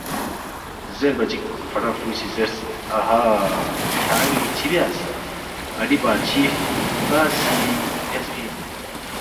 زیربا چِک فڑا فرُو سی زیرس، اَہا ، کھیان٘ی چِہ بیاس؟ ن٘ری بادشی ہرتا سی بیاسفی اِن